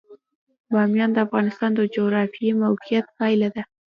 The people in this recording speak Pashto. بامیان د افغانستان د جغرافیایي موقیعت پایله ده.